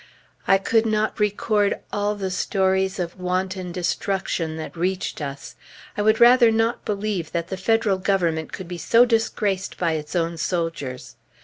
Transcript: I could not record all the stories of wanton destruction that reached us. I would rather not believe that the Federal Government could be so disgraced by its own soldiers.